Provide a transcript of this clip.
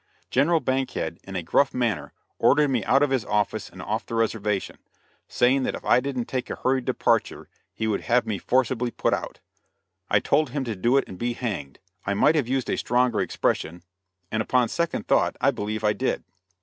General Bankhead, in a gruff manner ordered me out of his office and off the reservation, saying that if I didn't take a hurried departure he would have me forcibly put out. I told him to do it and be hanged; I might have used a stronger expression, and upon second thought, I believe I did.